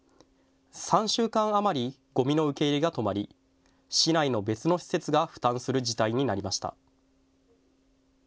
３週間余りごみの受け入れが止まり、市内の別の施設が負担する事態になりました。